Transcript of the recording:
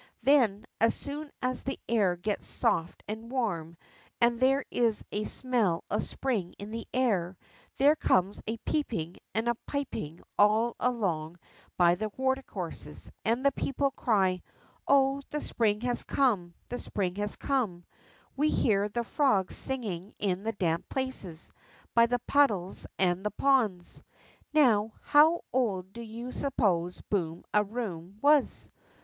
Then, as soon as the air gets soft and warm, and there is a smell of spring in the air, there comes a peeping and a piping all along by the watercourses, and the people cry : Oh, the spring has come, the spring has come; we hear the frogs singing in the damp places, by the puddles and the ponds.'' ]^ow how old do you suppose Boom a Koom was?